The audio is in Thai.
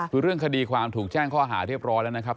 คือเรื่องคดีความถูกแจ้งข้อหาเรียบร้อยแล้วนะครับ